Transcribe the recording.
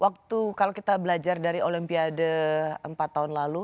waktu kalau kita belajar dari olimpiade empat tahun lalu